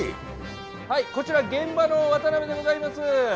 こちら現場の渡辺でございます。